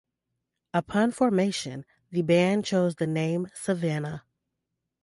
Upon formation, the band chose the name Savanna.